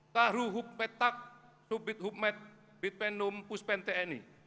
tahruhuk petak subidhukmet bitpendum puspente